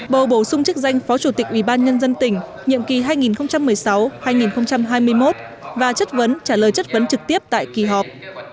bầu bổ sung chức danh phó chủ tịch ubnd tỉnh nhiệm kỳ hai nghìn một mươi sáu hai nghìn hai mươi một và trả lời chất vấn trực tiếp tại kỳ họp